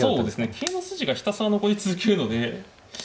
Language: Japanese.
桂の筋がひたすら残り続けるので。